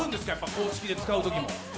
公式で使うときも。